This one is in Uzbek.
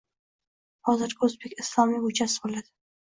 Hozirgi o’zbek Islomiy ko’chasi bo’ladi.